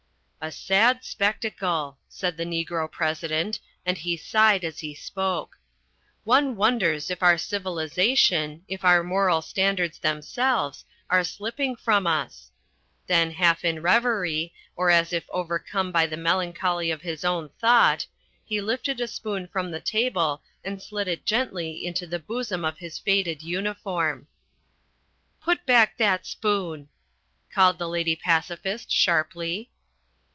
"A sad spectacle," said the Negro President, and he sighed as he spoke. "One wonders if our civilisation, if our moral standards themselves, are slipping from us." Then half in reverie, or as if overcome by the melancholy of his own thought, he lifted a spoon from the table and slid it gently into the bosom of his faded uniform. "Put back that spoon!" called The Lady Pacifist sharply.